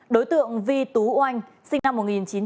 đối tượng vi tú oanh sinh năm một nghìn chín trăm sáu mươi chín